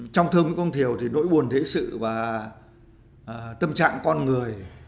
trong thơ nguyễn quang thiều thì nỗi buồn thế sự và tâm trạng con người